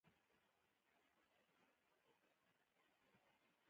زه د مساواتو پلوی یم.